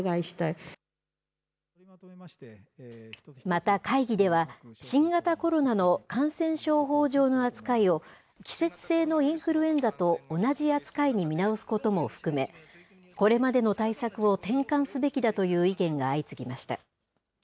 また会議では、新型コロナの感染症法上の扱いを、季節性のインフルエンザと同じ扱いに見直すことも含め、これまでの対策を転換すべきだという意見が相次ぎました。